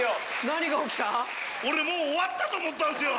何が起きた？